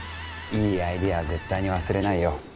いいアイデアは絶対に忘れないよ